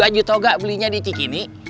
gua ajut toga belinya di cikini